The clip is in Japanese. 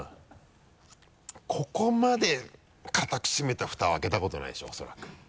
ここまで固く閉めたフタは開けたことないでしょ恐らく。